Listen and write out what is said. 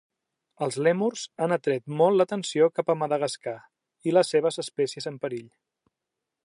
Els lèmurs han atret molt l'atenció cap a Madagascar i les seves espècies en perill.